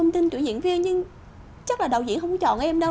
tuyển diễn viên nhưng chắc là đầu diễn không chọn em đâu